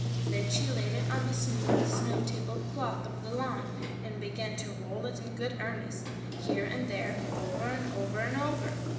Then she laid it on the smooth snow table cloth of the lawn, and began to roll it in good earnest, here and there, over and over and over.